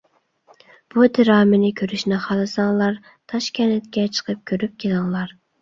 بۇ دىرامىنى كۆرۈشنى خالىساڭلار، تاشكەنتكە چىقىپ كۆرۈپ كېلىڭلار.